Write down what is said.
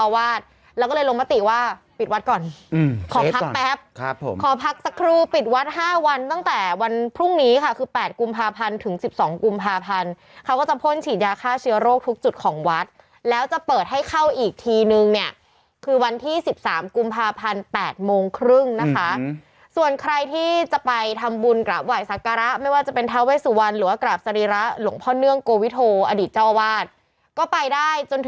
วันนี้น่ากลัวนะแล้วยิ่งคนเยอะเบียดกันแบบเนี้ยมันอันตรายเหมือนกันนะคะ